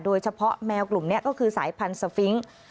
โดยเฉพาะแมวกลุ่มเนี้ยก็คือสายพันธุ์สฟิงก์